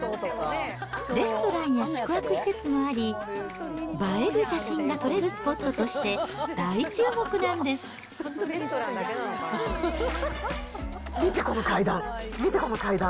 レストランや宿泊施設もあり、映える写真が撮れるスポットとして見てこの階段！